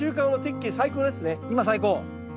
今最高。